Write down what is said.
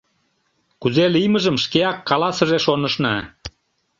Кузе лиймыжым шкеак каласыже, шонышна.